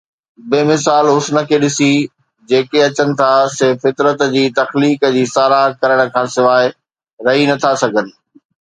بي مثال حسن کي ڏسي، جيڪي اچن ٿا سي فطرت جي تخليق جي ساراهه ڪرڻ کان سواءِ رهي نٿا سگهن.